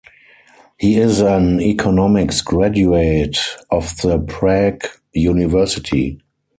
He is an economics graduate of the Prague University.